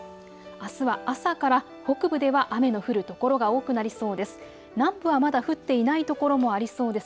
あすは朝から北部では雨の降る所が多くなりそうです。